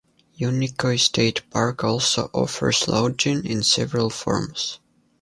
Unicoi State Park also offers lodging in several forms.